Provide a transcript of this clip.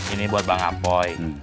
ini buat bang apoy